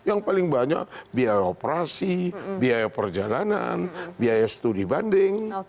yang paling banyak biaya operasi biaya perjalanan biaya studi banding